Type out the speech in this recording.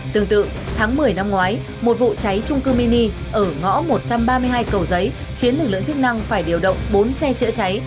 tương tự tháng một mươi năm ngoái một vụ cháy trung cư mini ở ngõ một trăm ba mươi hai cầu giấy khiến lực lượng chức năng phải điều động bốn xe chữa cháy